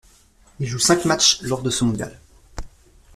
Il joue cinq matchs lors de ce mondial.